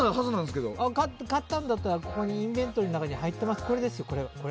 買ったんだったらインベントリの中に入ってますよ。